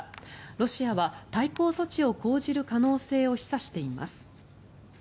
ロシアは対抗措置を講じる可能性を示唆しています。